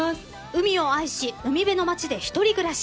海を愛し海辺の町で一人暮らし。